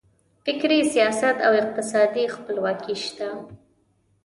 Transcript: فکري، سیاسي او اقتصادي خپلواکي شته.